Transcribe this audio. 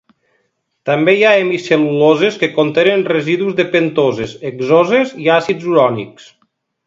També hi ha hemicel·luloses que contenen residus de pentoses, hexoses i àcids urònics.